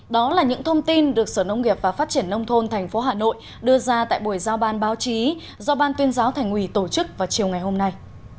đó là những thông tin được sở nông nghiệp và phát triển nông thôn tp hà nội đưa ra tại buổi giao ban báo chí do ban tuyên giáo thành ủy tổ chức vào chiều ngày hôm nay